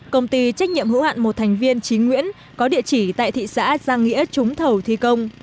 công ty trách nhiệm hữu hạn một thành viên trí nguyễn có địa chỉ tại thị xã giang nghĩa trúng thầu thi công